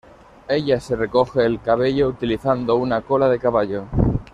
Ella se recoge el cabello utilizando una cola de caballo.